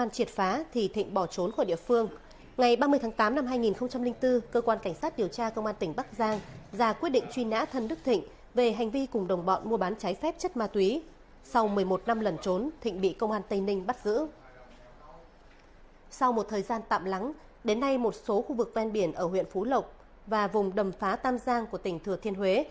sau một thời gian tạm lắng đến nay một số khu vực ven biển ở huyện phú lộc và vùng đầm phá tam giang của tỉnh thừa thiên huế